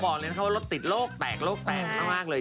บอกเลยนะคะว่ารถติดโลกแตกโลกแตกมากเลย